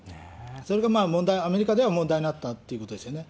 それがアメリカでは問題になったということですよね。